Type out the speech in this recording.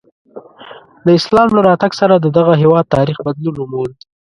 د اسلام له راتګ سره د دغه هېواد تاریخ بدلون وموند.